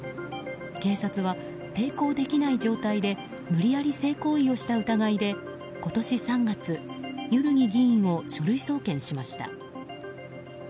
警察は抵抗できない状態で無理やり性行為をした疑いで今年３月、万木議員を書類送検しました。